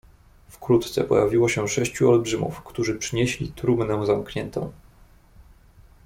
"Wkrótce pojawiło się sześciu olbrzymów, którzy przynieśli trumnę zamkniętą."